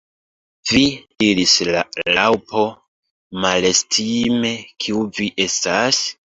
"Vi!" diris la Raŭpo malestime, "kiu vi estas?"